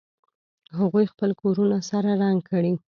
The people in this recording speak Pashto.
هغوی خپل کورونه سره رنګ کړي